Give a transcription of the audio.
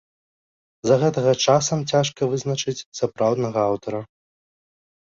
З-за гэтага часам цяжка вызначыць сапраўднага аўтара.